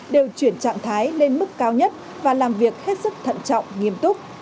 đều chuyển trạng thái lên mức cao nhất và làm việc hết sức thận trọng nghiêm túc